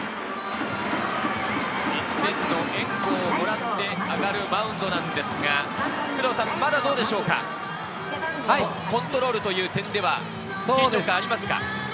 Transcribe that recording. １点の援護をもらって上がるマウンドなんですが、まだどうでしょうか、コントロールという点では緊張感があります